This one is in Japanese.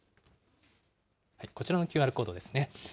こちらのＱＲコードですね。